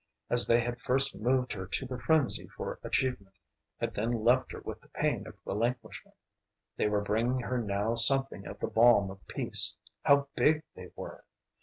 As they had first moved her to the frenzy for achievement, had then left her with the pain of relinquishment, they were bringing her now something of the balm of peace. How big they were!